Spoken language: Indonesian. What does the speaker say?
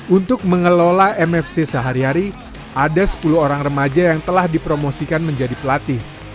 untuk mengelola mfc sehari hari ada sepuluh orang remaja yang telah dipromosikan menjadi pelatih